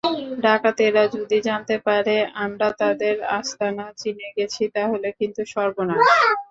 ডাকাতেরা যদি জানতে পারে আমরা তাদের আস্তানা চিনে গেছি, তাহলে কিন্তু সর্বনাশ।